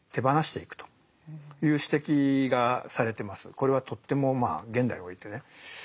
これはとっても現代においてね